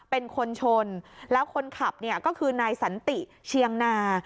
เป็นคนชนแล้วคนขับเนี่ยก็คือนายสันติเชียงนา